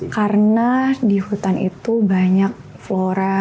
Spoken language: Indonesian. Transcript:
karena di hutan itu banyak flora